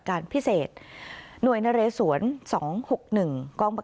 กรุ่งกำลังสนุนจาก